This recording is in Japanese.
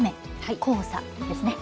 黄砂ですね。